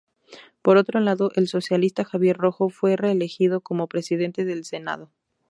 Por otro lado, el socialista Javier Rojo fue reelegido como presidente del Senado.